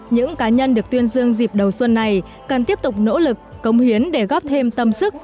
những cá nhân được tuyên dương dịp đầu xuân này cần tiếp tục nỗ lực công hiến để góp thêm tâm sức